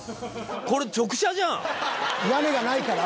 これ直射じゃん！